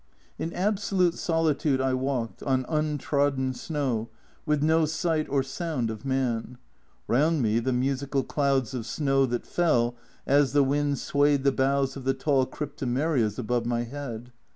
In absolute solitude I walked, on untrodden snow, with no sight or sound of man round me the musical clouds of snow that fell as the wind swayed the boughs of the tall cryptomerias above my head.